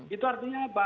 itu artinya apa